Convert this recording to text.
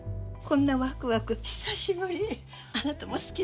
こんなわくわく久しぶり。